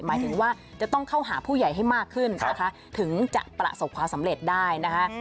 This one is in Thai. หมายถึงว่าจะต้องเข้าหาผู้ใหญ่ให้มากขึ้นนะคะถึงจะประสบความสำเร็จได้นะคะ